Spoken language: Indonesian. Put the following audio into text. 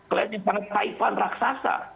klan yang sangat kaifan raksasa